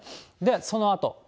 そのあと。